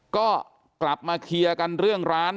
ก็กลับมาเคลียร์กันเรื่องร้าน